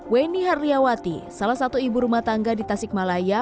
weni harliyawati salah satu ibu rumah tangga di tasik malaya